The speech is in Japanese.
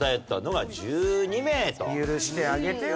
許してあげてよ